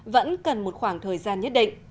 vẫn cần một khoảng thời gian nhất định